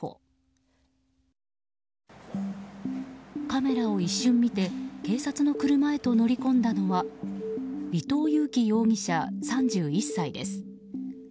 カメラを一瞬見て警察の車へと乗り込んだのは伊東祐貴容疑者、３１歳です。